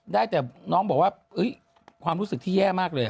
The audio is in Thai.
ได้แต่น้องบอกว่าความรู้สึกที่แย่มากเลย